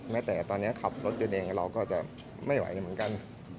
แต่ตอนนี้ขับรถยนต์เองเราก็จะไม่ไหวเหมือนกัน